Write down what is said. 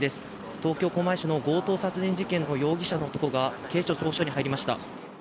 東京・狛江市の強盗殺人事件の容疑者の男が警視庁・調布署に入りました。